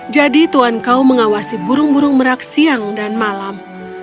jadi tuhan kau mengawasi burung burung merah siang dan malam